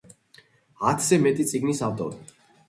ათზე მეტი წიგნის ავტორი.